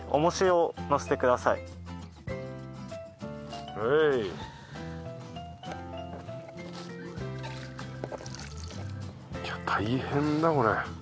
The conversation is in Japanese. いや大変だこれ。